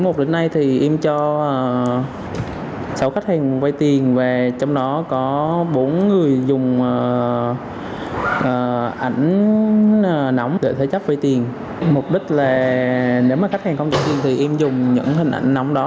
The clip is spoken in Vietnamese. mục đích là nếu mà khách hàng không cho tiền thì em dùng những hình ảnh nóng đó